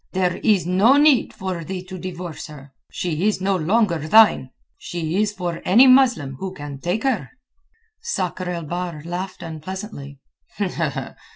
There is no need for thee to divorce her. She is no longer thine. She is for any Muslim who can take her." Sakr el Bahr laughed unpleasantly.